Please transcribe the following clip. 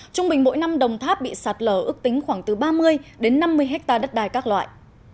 trung bình mỗi năm đồng tháp bị sạt lở ước tính khoảng từ ba mươi đến năm mươi hectare đất đài các loại